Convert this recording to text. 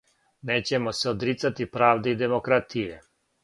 Нећемо се одрицати правде и демократије.